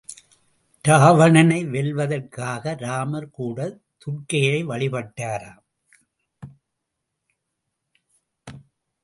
இராவணனை வெல்வதற்காக இராமர் கூடத் துர்க்கையை வழிப்பட்டாராம்.